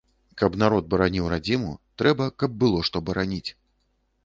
Каб народ бараніў радзіму, трэба, каб было што бараніць.